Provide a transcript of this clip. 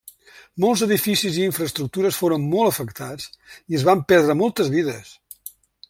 Molts edificis i infraestructures foren molt afectats i es van perdre moltes vides.